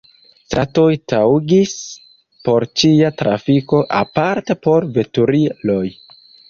Stratoj taŭgis por ĉia trafiko, aparte por veturiloj.